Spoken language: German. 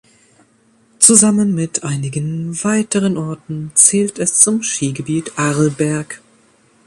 Zusammen mit einigen weiteren Orten zählt es zum Skigebiet Arlberg.